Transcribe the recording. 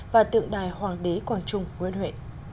và tượng đài hoàng đế quảng trung nguyễn huệ